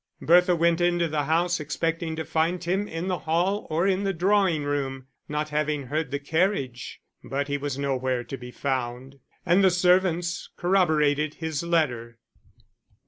Bertha went into the house expecting to find him in the hall or in the drawing room, not having heard the carriage, but he was nowhere to be found. And the servants corroborated his letter.